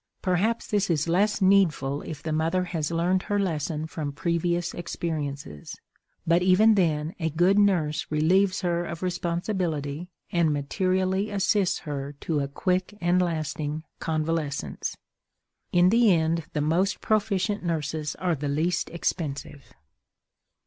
Perhaps this is less needful if the mother has learned her lesson from previous experiences. But even then a good nurse relieves her of responsibility and materially assists her to a quick and lasting convalescence. In the end the most proficient nurses are the least expensive.